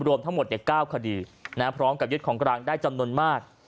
รวมทั้งหมด๙คดีพร้อมกับยึดของกลางได้จำนวนมาก